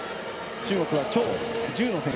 中国は張蒙、Ｓ１０の選手。